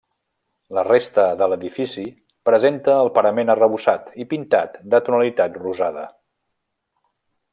La resta de l'edifici presenta el parament arrebossat i pintat de tonalitat rosada.